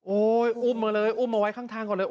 โอ้ยอุ้มกันเลยอุ้มมาไว้ข้างทางก่อนครับ